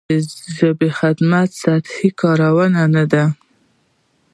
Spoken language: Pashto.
د ژبې خدمت سطحي کارونه دي نه.